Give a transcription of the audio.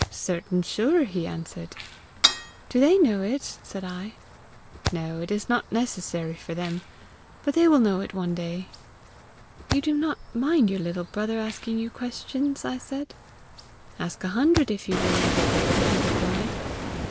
'Certain sure!' he answered. 'Do they know it?' said I. 'No, it is not necessary for them; but they will know it one day.' 'You do not mind your little brother asking you questions?' I said. 'Ask a hundred, if you will, little brother,' he replied.